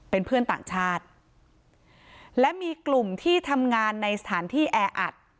เป็นเพื่อนต่างชาติและมีกลุ่มที่ทำงานในสถานที่แออัด